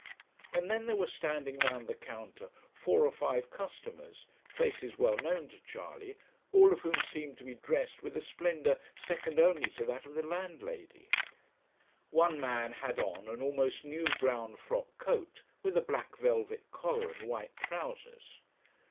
And then there were standing round the counter four or five customers, faces well known to Charley, all of whom seemed to be dressed with a splendour second only to that of the landlady. One man had on an almost new brown frock coat with a black velvet collar, and white trousers.